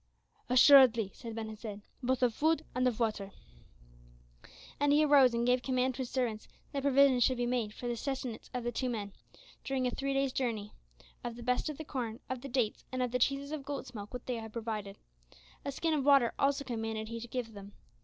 "Assuredly," answered Ben Hesed, "both of food and of water." And he arose and gave command to his servants that provision should be made for the sustenance of the two men, during a three day's journey, of the best of the corn, of the dates, and of the cheeses of goat's milk which they had provided. A skin of water also commanded he to give them.